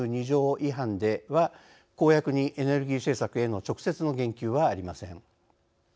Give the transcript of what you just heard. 違反では公約にエネルギー政策への直接の言及はありません。